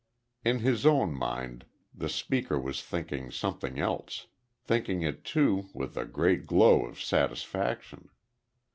In his own mind the speaker was thinking something else; thinking it too, with a great glow of satisfaction.